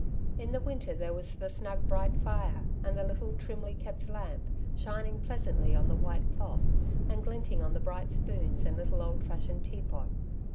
In the winter there was the snug bright fire, and the Httle trimly kept lamp, shining pleasantly on the white cloth, and glinting on the bright spoons and little old fashioned teapot.